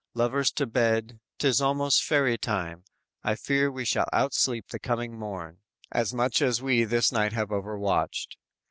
Lovers to bed; 'tis almost fairy time, I fear we shall outsleep the coming morn, As much as we this night have overwatched.